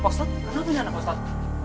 pokstet kenapa ini anak anak